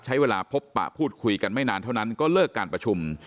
ใช้เวลาพบปะพูดคุยกันไม่นานเท่านั้นก็เลิกการประชุม